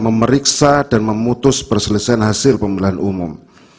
memeriksa dan memutus perselesaian hasil pemilihan umum